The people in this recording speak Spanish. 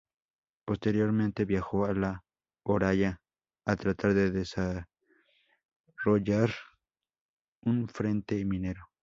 Posteriormente viajó a La Oroya a tratar de desarrollar un frente minero.